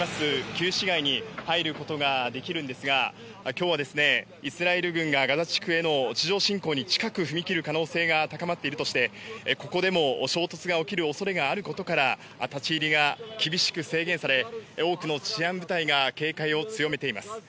旧市街に入ることができるんですが、きょうはですね、イスラエル軍がガザ地区への地上侵攻に近く踏み切る可能性が高まっているとして、ここでも衝突が起きる恐れがあることから、立ち入りが厳しく制限され、多くの治安部隊が警戒を強めています。